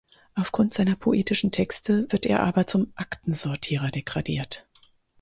Aufgrund seiner poetischen Texte wird er aber zum Aktensortierer degradiert.